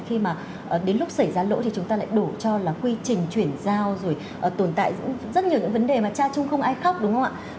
khi mà đến lúc xảy ra lỗ thì chúng ta lại đổ cho là quy trình chuyển giao rồi tồn tại rất nhiều những vấn đề mà cha chung không ai khóc đúng không ạ